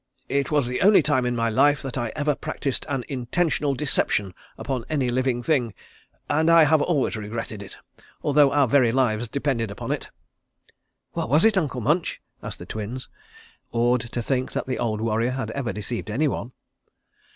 It was the only time in my life that I ever practised an intentional deception upon any living thing, and I have always regretted it, although our very lives depended upon it." "What was it, Uncle Munch?" asked the Twins, awed to think that the old warrior had ever deceived anyone.